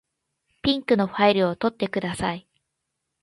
ピンクのファイルを取ってください。